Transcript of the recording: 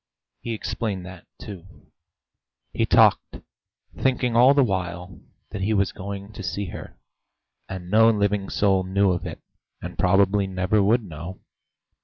He explained that, too. He talked, thinking all the while that he was going to see her, and no living soul knew of it, and probably never would know.